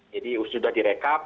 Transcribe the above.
jadi sudah direkap